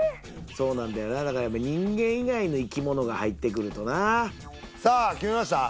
そうなんだよな人間以外の生き物が入ってくるとなさあ決めました？